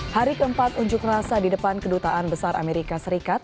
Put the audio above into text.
hari keempat unjuk rasa di depan kedutaan besar amerika serikat